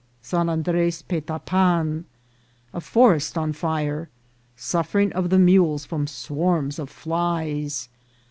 — San Andres Petapan.— A Forest on Fire.— Suffering of the Mules from Swarms of Flies.